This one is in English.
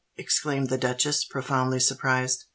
exclaimed the duchess, profoundly surprised.